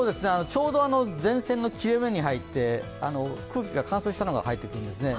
ちょうど前線の切れ目に入って、空気の乾燥したのが入ってくるんですね。